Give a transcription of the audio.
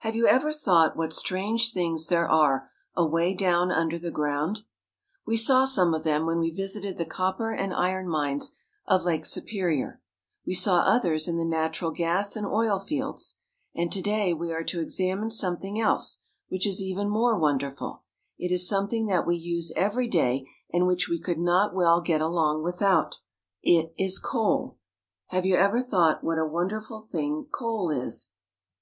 HAVE you ever thought what strange things there are away down under the ground? We saw some of them when we visited the copper and iron mines of Lake Superior ; we saw others in the natural gas and oil fields ; and to day we are to examine something else, which is even more ■—;' \«^=te^ The Coal Regions. wonderful. It is some thing that we use every day, and which we could not well get along with out. It is coal. Have you everthought what a wonderful thing coal is?